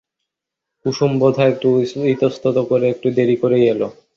কুমু বোধ হয় একটু ইতস্তত করে একটু দেরি করেই এল।